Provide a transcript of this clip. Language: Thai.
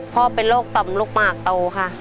พ่อเป็นโรคตอมโรคมารกโตค่ะ